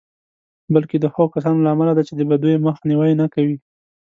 بلکې د هغو کسانو له امله ده چې د بدیو مخنیوی نه کوي.